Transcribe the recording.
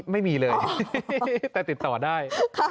ไม่มีเลยแต่ติดต่อได้